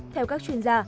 theo các chuyên gia